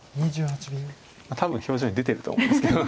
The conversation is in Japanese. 多分表情に出てると思うんですけど。